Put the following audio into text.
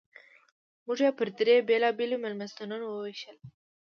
موږ یې پر درې بېلابېلو مېلمستونونو ووېشل.